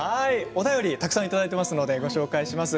お便りたくさんいただいていますのでご紹介します。